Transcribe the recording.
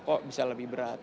kok bisa lebih berat